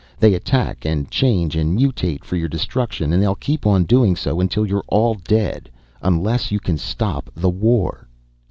They attack and change and mutate for your destruction. And they'll keep on doing so until you are all dead. Unless you can stop the war."